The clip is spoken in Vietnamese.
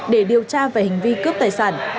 để điều tra về hình vi cướp tài sản